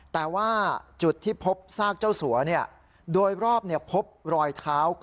แต่ว่าจุดที่พบซากเจ้าสัวโดยรอบพบรอยเท้า